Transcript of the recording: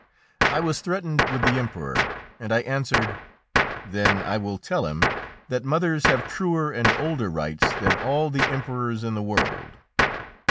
I was threatened with the Emperor, and I answered, "Then I will tell him that mothers have truer and older rights than all the emperors in the world!"